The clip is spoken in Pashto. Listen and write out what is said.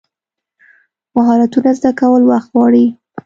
مهارتونه زده کول وخت غواړي.